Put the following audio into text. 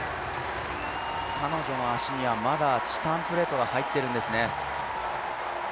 彼女の足にはまだチタンプレートが入っているんですね。